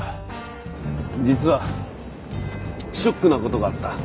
実はショックな事があった。